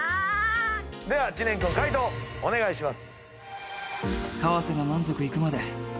では知念君解答お願いします。